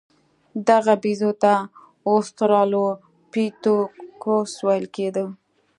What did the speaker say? دغه بیزو ته اوسترالوپیتکوس ویل کېده.